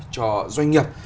cho doanh nghiệp